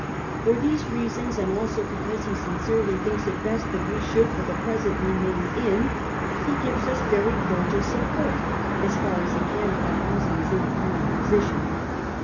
Por these reasons, and also because he sincerely thinks it best that we should, for the present, remain in, he gives us very cordial support, as far as he can without losing his independent position.